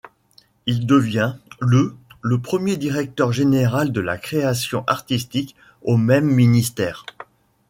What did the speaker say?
Il devient le le premier directeur général de la Création artistique au même ministère.